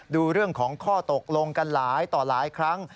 ดูเรื่องของข้อตกลงกันหลายต่อหลายครั้ง